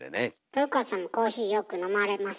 豊川さんもコーヒーよく飲まれます？